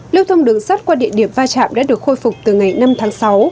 liêu thông đường sát qua địa điểm va chạm đã được khôi phục từ ngày năm tháng sáu